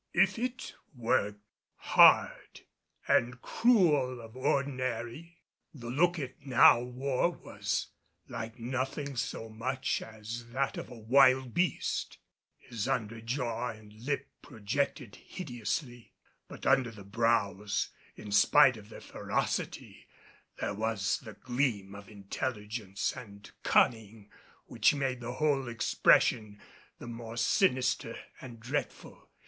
If it were hard and cruel of ordinary, the look it now wore was like nothing so much as that of a wild beast; his under jaw and lip projected hideously, but under the brows, in spite of their ferocity, there was the gleam of intelligence and cunning which made the whole expression the more sinister and dreadful.